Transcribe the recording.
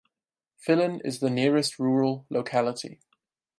Filin is the nearest rural locality.